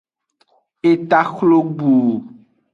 Eta xlogbu.